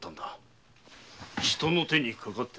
人の手にかかってな。